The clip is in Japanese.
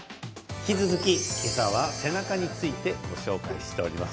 引き続き、今朝は背中についてご紹介しております。